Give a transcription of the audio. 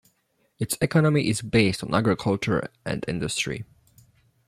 Its economy is based on agriculture and industry.